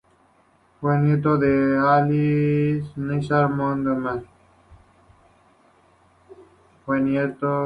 Fue nieto de Al-Nasir Muhammad.